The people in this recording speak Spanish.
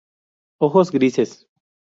Ojos grises.